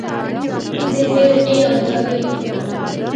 تے فر اے ہوندا وے۔